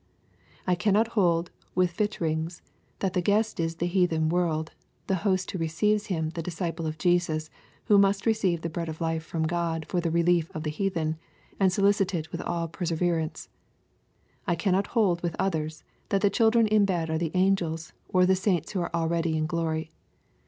— I cannot hold with Vitringa, that the guest is the heathen world, the host who receives him the disciples of Je sus, who must receive bread of life from God for the relief of the heathen, and solicit it with all perseverance. — ^I cannot hold with others, that the children in bed are the angels, or the saints who are already in glory.